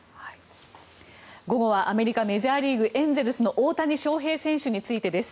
午後はアメリカ、メジャーリーグエンゼルスの大谷翔平選手についてです。